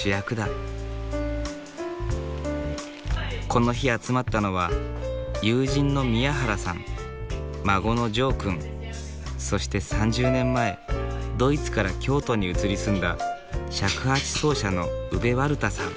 この日集まったのは友人の宮原さん孫のジョーくんそして３０年前ドイツから京都に移り住んだ尺八奏者のウベ・ワルタさん。